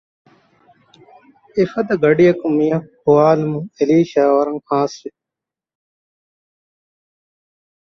އެފަދަ ގަޑިއަކު މީހަކު ގޮވާލުމުން އެލީޝާ ވަރަށް ހާސްވި